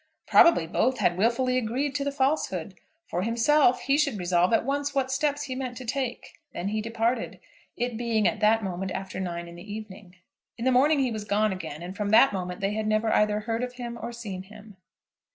Probably both had wilfully agreed to the falsehood. For himself he should resolve at once what steps he meant to take. Then he departed, it being at that moment after nine in the evening. In the morning he was gone again, and from that moment they had never either heard of him or seen him.